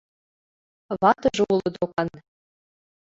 Ватыже уло докан.